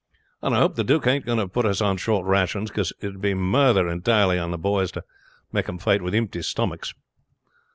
And I hope the duke ain't going to put us on short rations, because it would be murther entirely on the boys to make them fight with impty stomachs."